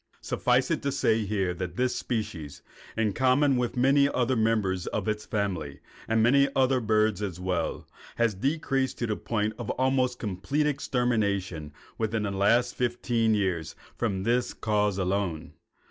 Suffice it to say here that this species, in common with many other members of its family, and many other birds as well, has decreased to the point of almost complete extermination within the last fifteen years from this cause alone.